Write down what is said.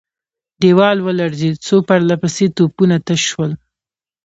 دېوال ولړزېد، څو پرله پسې توپونه تش شول.